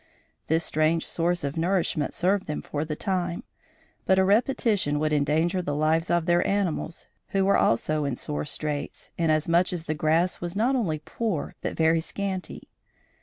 This strange source of nourishment served them for the time, but a repetition would endanger the lives of their animals, who were also in sore straits, inasmuch as the grass was not only poor but very scanty.